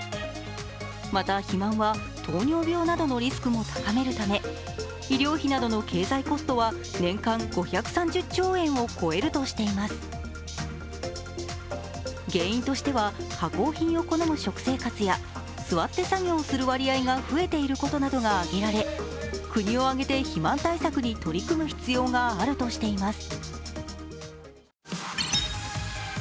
また肥満は、糖尿病などのリスクも高めるため、医療費などの経済コストは年間５３０兆円を超えるとしています原因としては加工品を好む食生活や座って作業をする割合が増えていることなどがあげられ、国を挙げて肥満対策に取り組む必要があるとしています。